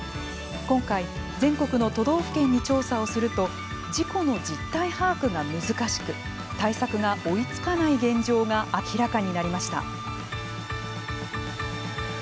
今回、全国の都道府県に調査をすると事故の実態把握が難しく対策が追いつかない現状が明らかになりました。